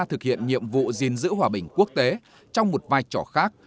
thực hiện nhiệm vụ gìn giữ hòa bình quốc tế trong một vai trò khác